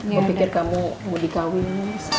mau pikir kamu mau dikawin